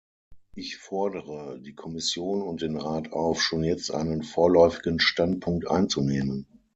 Ich fordere die Kommission und den Rat auf, schon jetzt einen vorläufigen Standpunkt einzunehmen.